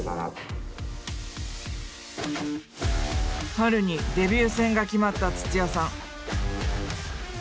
春にデビュー戦が決まった土屋さん。